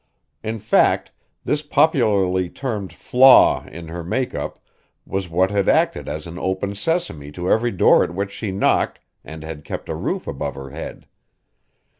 In fact, this popularly termed "flaw" in her make up was what had acted as an open sesame to every door at which she knocked and had kept a roof above her head.